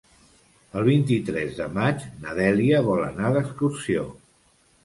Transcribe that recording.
El vint-i-tres de maig na Dèlia vol anar d'excursió.